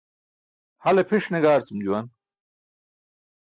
Hale pʰiṣ ne gaarcum juwan.